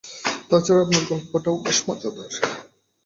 তা ছাড়া আপনার গল্পটাও বেশ মজার।